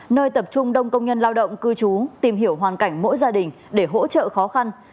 nơi tập trung đông công nhân lao động cư trú tìm hiểu hoàn cảnh mỗi gia đình để hỗ trợ khó khăn